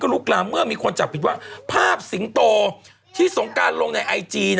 ลุกลามเมื่อมีคนจับผิดว่าภาพสิงโตที่สงการลงในไอจี